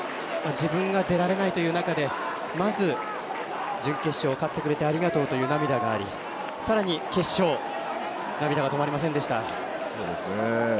自分が出られないという中でまず準決勝勝ってくれてありがとうという涙がありさらに、決勝涙が止まりませんでした。